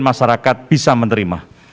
masyarakat bisa menerima